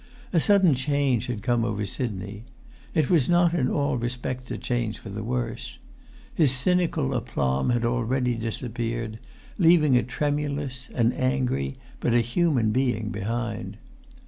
A sudden change had come over Sidney. It was not in all respects a change for the worse. His cynical aplomb had already disappeared, leaving a tremulous, an angry, but a human being behind.